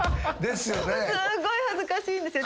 すごい恥ずかしいんですよ。